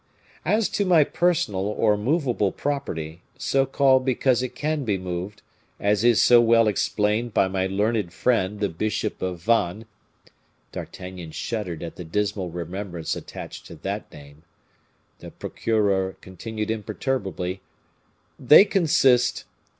"As to my personal or movable property, so called because it can be moved, as is so well explained by my learned friend the bishop of Vannes " (D'Artagnan shuddered at the dismal remembrance attached to that name) the procureur continued imperturbably "they consist " "1.